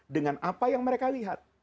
dengan apa yang mereka lihat